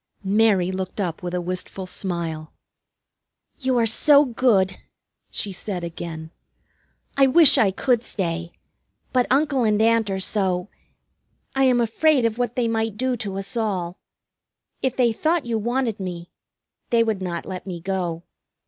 Mary looked up with a wistful smile. "You are so good!" she said again. "I wish I could stay. But Uncle and Aunt are so I am afraid of what they might do to us all. If they thought you wanted me, they would not let me go."